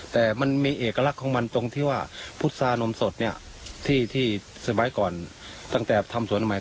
แต่มันมีเอกลักษณ์ของมันตรงที่ว่าพุษานมสดเนี่ยที่สมัยก่อนตั้งแต่ทำสวนใหม่